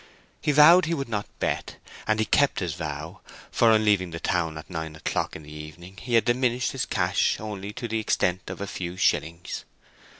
He vowed he would not bet, and he kept his vow, for on leaving the town at nine o'clock in the evening he had diminished his cash only to the extent of a few shillings.